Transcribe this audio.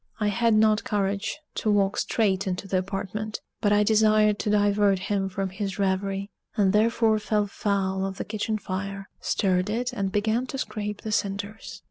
I had not courage to walk straight into the apartment; but I desired to divert him from his revery, and therefore fell foul of the kitchen fire; stirred it and began to scrape the cinders.